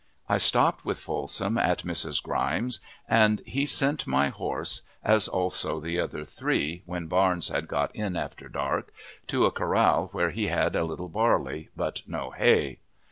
I stopped with Folsom at Mrs. Grimes's, and he sent my horse, as also the other three when Barnes had got in after dark, to a coral where he had a little barley, but no hay.